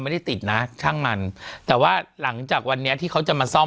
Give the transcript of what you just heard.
ไม่ได้ติดนะช่างมันแต่ว่าหลังจากวันนี้ที่เขาจะมาซ่อม